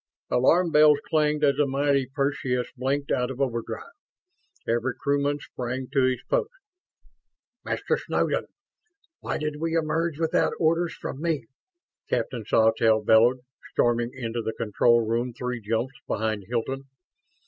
Alarm bells clanged as the mighty Perseus blinked out of overdrive. Every crewman sprang to his post. "Mister Snowden, why did we emerge without orders from me?" Captain Sawtelle bellowed, storming into the control room three jumps behind Hilton.